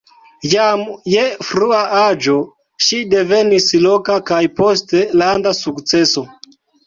Jam je frua aĝo ŝi devenis loka kaj poste landa sukceso.